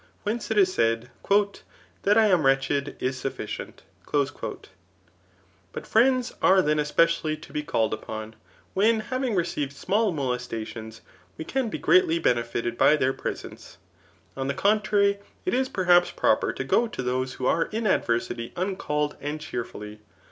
Whence it is said^ That I am wretched, is safficient* " But friends are then especially to be called upon, when kaving recdved small molestations, we can be greatly be nefited by their presence. On the contrary, it is per haps proper to go to those who are in adversity uncalled and cheerfully.